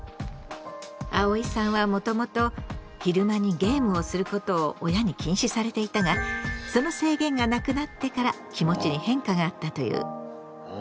あおいさんはもともと昼間にゲームをすることを親に禁止されていたがその制限がなくなってから気持ちに変化があったという。